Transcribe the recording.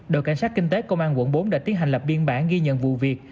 đội cảnh sát kinh tế công an quận bốn đã tiến hành lập biên bản ghi nhận vụ việc